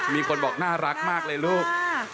มีคนบอกน่ารักมากเลยลูก